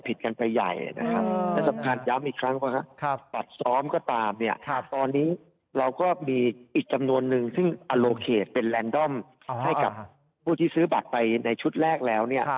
แบบให้แบบเป็นร้อยคนมานั่งทานข้าวไม่ใช่ขนาดนั้นใช่ไหมฮะ